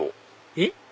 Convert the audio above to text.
えっ？